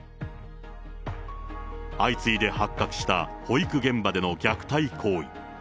相次いで発覚した保育現場での虐待行為。